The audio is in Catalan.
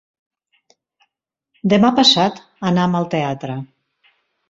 Demà passat anam al teatre.